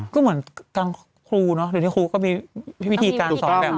ก็เหมือนทางครูเนอะเดี๋ยวที่ครูก็มีวิธีการสอนแบบ